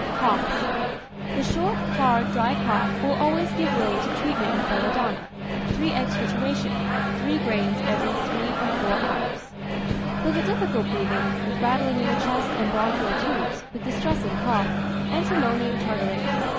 COUGHS. The short, hard, dry cough will always give way to treatment with belladonna, 3^{×} trituration, 3 grains every 3 or 4 hours. For the difficult breathing, with rattling in the chest and bronchial tubes, with distressing cough, antimonium tartaric.